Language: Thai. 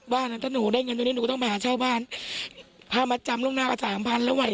ถ้าหนูได้เงินตรงนี้หนูก็ต้องไปหาเช่าบ้านพามาจำล่วงหน้าก็สามพันแล้วไหว